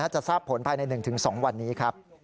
จะทราบผลภายใน๑๒วันนี้ครับ